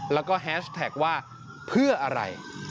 แล้วก็แฮชแท็กว่าเพื่ออะไร